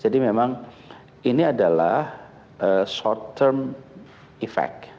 jadi memang ini adalah short term effect